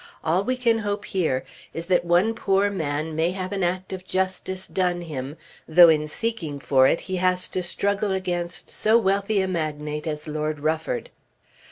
All we can hope here is that one poor man may have an act of justice done him though in seeking for it he has to struggle against so wealthy a magnate as Lord Rufford."